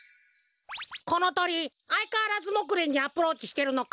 このとりあいかわらずモクレンにアプローチしてるのか？